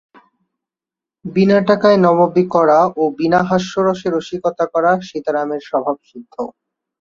বিনা টাকায় নবাবী করা ও বিনা হাস্যরসে রসিকতা করা সীতারামের স্বভাবসিদ্ধ।